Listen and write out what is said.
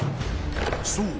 ［そう。